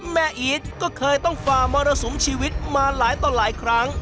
อีทก็เคยต้องฝ่ามรสุมชีวิตมาหลายต่อหลายครั้ง